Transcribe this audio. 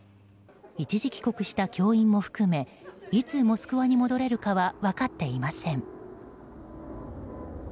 一時帰国した教員も含めいつモスクワに戻れるかは分かっていません。